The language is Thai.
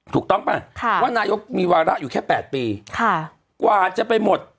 ถูกต้องป่ะว่านายกมีวาระอยู่แค่๘ปีกว่าจะไปหมด